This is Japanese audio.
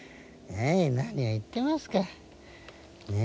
何を言ってますか。